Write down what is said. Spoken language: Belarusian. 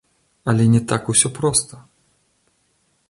Але не так усё проста.